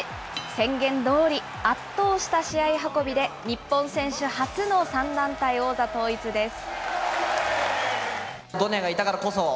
宣言どおり、圧倒した試合運びで、日本選手初の３団体王座統一です。